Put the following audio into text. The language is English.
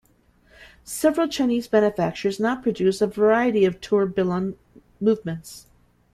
Several Chinese manufacturers now produce a variety of tourbillon movements.